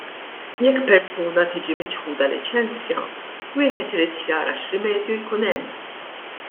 Jekk persuna tiġi miċħuda liċenzja, wieħed irid jara x'rimedju jkun hemm.